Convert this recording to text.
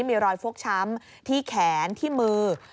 มีรอยฟกช้ำที่แขนที่มือ